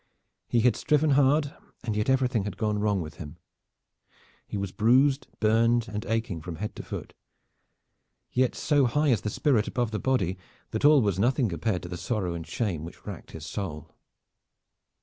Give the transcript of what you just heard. He had striven hard, and yet everything had gone wrong with him. He was bruised, burned and aching from head to foot. Yet so high is the spirit above the body that all was nothing compared to the sorrow and shame which racked his soul.